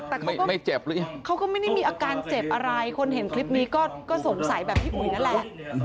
แต่เขาก็ไม่มีอาการเจ็บอะไรคนเห็นคลิปนี้ก็สงสัยแบบพี่อุ๋ยนั่นแหละ